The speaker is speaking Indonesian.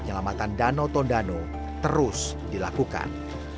penyelamatan danau tondano terus dilakukan